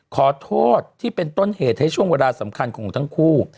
ขอโทษที่เป็นต้นเหตุให้ช่วงเวลาสำคัญของทั้งคู่